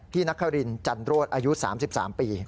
พี่นครินจันโรศอายุ๓๓ปี